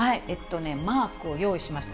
マークを用意しました。